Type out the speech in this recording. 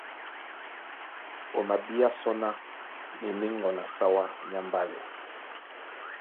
O mabíá sɔ́ ná na e ndé ŋgɔn a sáwá nyá mbálɛ.